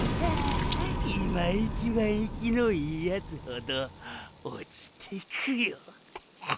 今一番生きのいいヤツほど落ちてくよ。